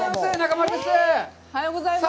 おはようございます。